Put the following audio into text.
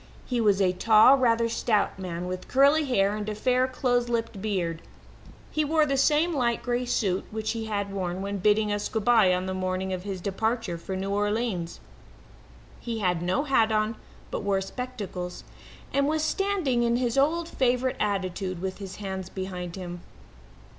He was a tall, rather stout man, with curly hair and a fair, close clipped beard. He wore the same light grey suit which he had worn when bidding us good bye on the morning of his departure for New Orleans. He had no hat on, but wore spectacles, and was standing in his old favourite attitude, with his hands behind him.